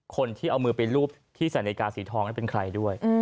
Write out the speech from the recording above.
คนที่เอามือไปรูปที่ใส่นาฬิกาสีทองนั้นเป็นใครด้วย